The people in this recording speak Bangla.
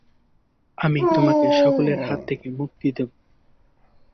আমি তোমাকে সকলের হাত থেকে মুক্তি দেব।